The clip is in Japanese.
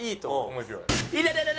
面白い。